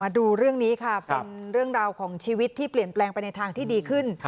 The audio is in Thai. ดูเรื่องนี้ค่ะเป็นเรื่องราวของชีวิตที่เปลี่ยนแปลงไปในทางที่ดีขึ้น